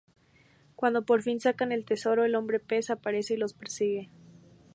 Cuando por fin sacan el tesoro, el Hombre Pez aparece y los persigue.